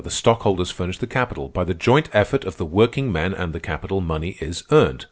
The stockholders furnish the capital. By the joint effort of the workingmen and the capital, money is earned.